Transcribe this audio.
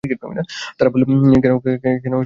তারা বললে, কেন, আপনার লোকসান হবে?